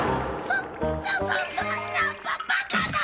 そそそんなババカな！